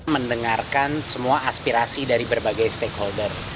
mendengarkan semua aspirasi dari berbagai stakeholder